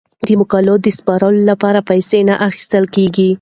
د مقالو د سپارلو لپاره پیسې نه اخیستل کیږي.